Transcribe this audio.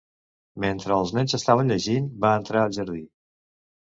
Mentre els nens estaven llegint, va entrar al jardí.